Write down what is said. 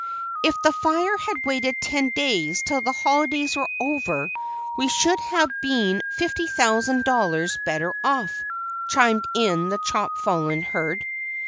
"If the fire had waited ten days till the holidays were over, we should have been $50,000 dollars better off," chimed in the chop fallen Hurd.